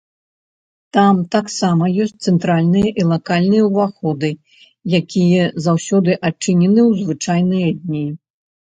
Там таксама ёсць цэнтральны і лакальныя ўваходы, якія заўсёды адчынены ў звычайныя дні.